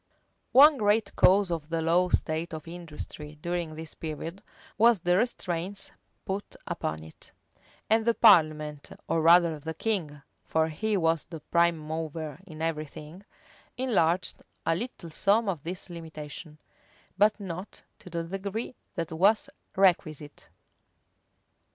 [*] One great cause of the low state of industry during this period, was the restraints put upon it; and the parliament, or rather the king, (for he was the prime mover in every thing,) enlarged a little some of these limitations; but not to the degree that was requisite.